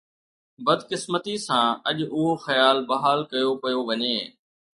بدقسمتي سان، اڄ اهو خيال بحال ڪيو پيو وڃي.